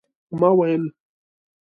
ما ویل